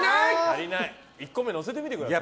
１個目のせてみてください。